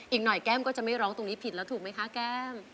อีกหน่อยแก้มก็จะไม่ร้องตรงนี้ผิดแล้วถูกไหมคะแก้ม